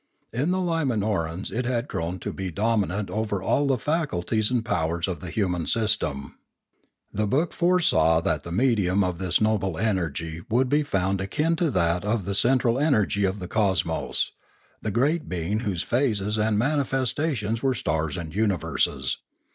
In the Limanorans it had grown to be dominant over all the faculties and powers of the human system. The book foresaw that the medium of this noble energy would be found akin to that of the central energy of the cosmos, the great being whose phases and manifest ations were stars and universes.